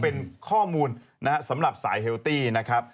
เป็นข้อมูลนะฮะสำหรับสายเฮลตี้นะครับ